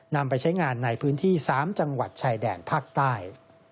นำไปใช้งานในพื้นที่๓จังหวัดชายแดนภาคใต้